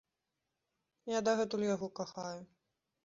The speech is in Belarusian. Я дагэтуль яго кахаю.